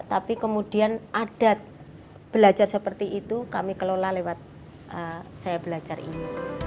tapi kemudian adat belajar seperti itu kami kelola lewat saya belajar ini